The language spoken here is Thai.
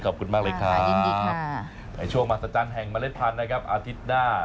ขอบคุณมากเลยครับในช่วงมาตรฐานแห่งเมล็ดปั่นนะครับอาทิตย์หน้า